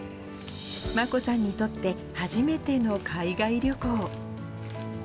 眞子さんにとって、初めての海外旅行。